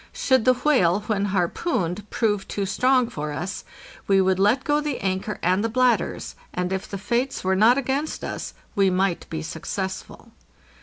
Should the whale, when harpooned, prove too strong for us, we would let go the anchor and the bladders, and if the fates were not against us, we might be successful.